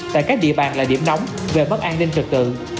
tại các địa bàn là điểm nóng về mất an ninh trực tượng